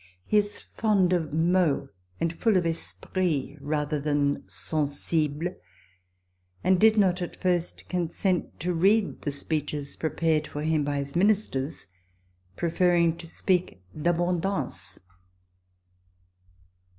He is fond of mots, and full of esprit rather than sensible ; and did not at first consent to read the speeches prepared for him by his ministers, prefer ring to speak d'abondance.